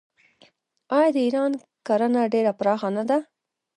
آیا د ایران کرنه ډیره پراخه نه ده؟